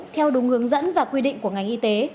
theo đúng hướng dẫn và quy định của ngành y tế